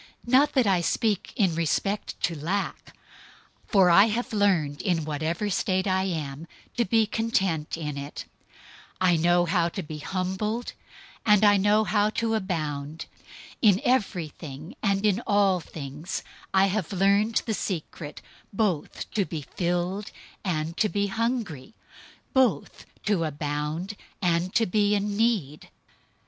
004:011 Not that I speak in respect to lack, for I have learned in whatever state I am, to be content in it. 004:012 I know how to be humbled, and I know also how to abound. In everything and in all things I have learned the secret both to be filled and to be hungry, both to abound and to be in need.